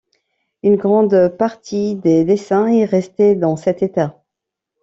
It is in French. Une grande partie des dessins est restée dans cet état.